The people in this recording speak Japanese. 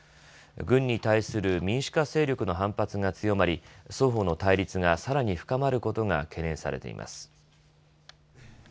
軍に対する民主化勢力の反発が強まり双方の対立がさらに深まることが懸念されています。